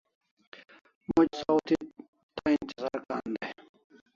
Moch saw thi tay intizar kan dai